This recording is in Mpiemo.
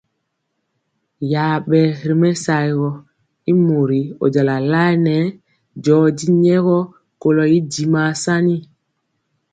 Yabe ri mɛsaogɔ y mori ɔjala laɛ nɛɛ joji nyegɔ kolo y dimaa sani.